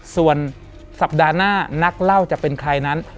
ส่วนสัปดาห์หน้านักเล่าจะเป็นใครนั้น